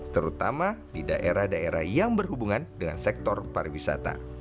terutama di daerah daerah yang berhubungan dengan sektor pariwisata